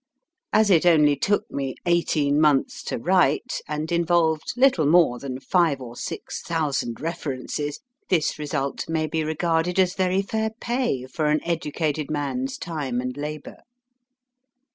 As it only took me eighteen months to write, and involved little more than five or six thousand references, this result may be regarded as very fair pay for an educated man s time and labour.